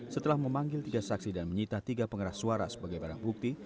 setelah memanggil tiga saksi dan menyita tiga pengeras suara sebagai barang bukti